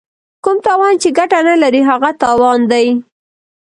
کوم تاوان چې ګټه نه لري هغه تاوان دی.